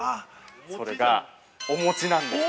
◆それが、お餅なんです。